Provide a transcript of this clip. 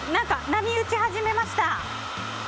波打ち始めました！